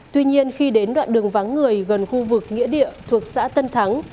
tuy nhiên khi đến đoạn đường vắng người gần khu vực nghĩa địa thuộc xã tân thắng